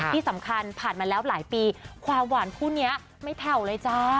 ที่สำคัญผ่านมาแล้วหลายปีความหวานผู้เนี่ยไม่แถวเลยจ้า